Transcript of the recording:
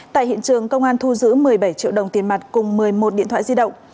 tại hiện trường công an thu giữ một mươi bảy triệu đồng tiền mặt cùng một mươi một điện thoại di động